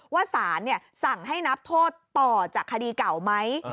ว่าสารสั่งให้นับโทษต่อจากคดีเก่าไหม